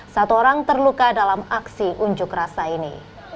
satu orang terluka dalam aksi unjuk rasa ini